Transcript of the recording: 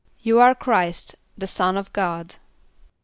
="You are Chr[=i]st, the Son of God."